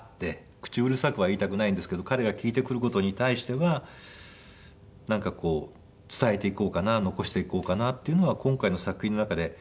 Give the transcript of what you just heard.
口うるさくは言いたくないんですけど彼が聞いてくる事に対してはなんかこう伝えていこうかな残していこうかなっていうのは今回の作品の中で。